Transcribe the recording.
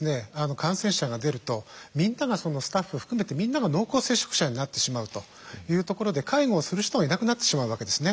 感染者が出るとスタッフ含めてみんなが濃厚接触者になってしまうというところで介護をする人がいなくなってしまうわけですね。